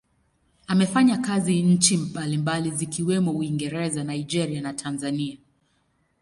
Amefanya kazi nchi mbalimbali zikiwemo Uingereza, Nigeria na Tanzania.